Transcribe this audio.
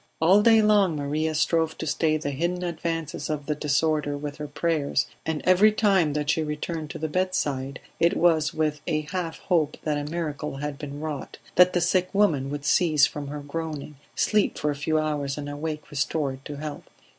All day long Maria strove to stay the hidden advances of the disorder with her prayers, and every time that she returned to the bedside it was with a half hope that a miracle had been wrought, that the sick woman would cease from her groaning, sleep for a few hours and awake restored to health.